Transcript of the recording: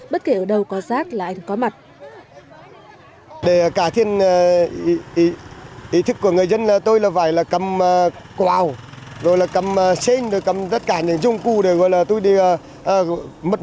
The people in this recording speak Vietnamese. bất kể ở đâu có rác là anh có mặt